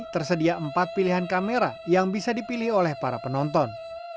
tersedia empat pilihan kamera yang bisa dipilih oleh para penonton